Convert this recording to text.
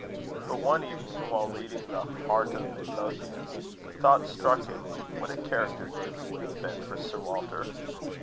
But one evening, while reading the Heart of Midlothian, the thought struck him what a character David would have been for Sir Walter.